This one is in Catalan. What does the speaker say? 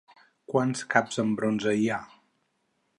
Quants caps en bronze hi ha?